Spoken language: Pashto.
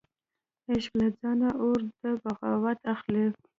عشق له ځانه اور د بغاوت اخلي